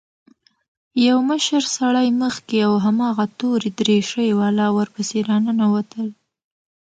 يو مشر سړى مخکې او هماغه تورې دريشۍ والا ورپسې راننوتل.